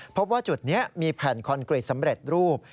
พบว่าจุดนี้มีแผ่นคอนกรีตสำเร็จรูป